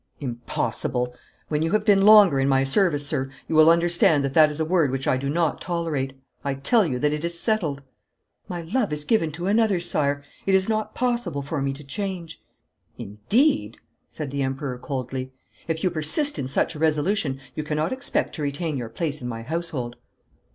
'Impossible! When you have been longer in my service, sir, you will understand that that is a word which I do not tolerate. I tell you that it is settled.' 'My love is given to another, sire. It is not possible for me to change.' 'Indeed!' said the Emperor coldly. 'If you persist in such a resolution you cannot expect to retain your place in my household.'